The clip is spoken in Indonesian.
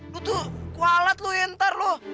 lu tuh kualat lu ya ntar lu